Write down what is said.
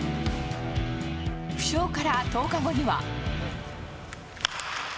負傷から１０日後には。